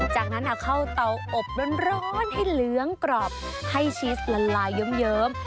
จากนั้นเอาเข้าเตาอบร้อนให้เหลืองกรอบให้ชีสละลายเยิ้ม